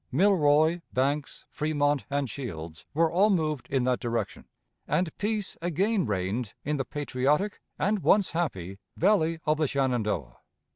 Milroy, Banks, Fremont, and Shields were all moved in that direction, and peace again reigned in the patriotic and once happy Valley of the Shenandoah.